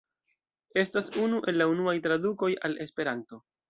Estas unu el la unuaj tradukoj al Esperanto.